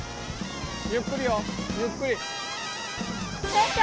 ゆっくりよゆっくり。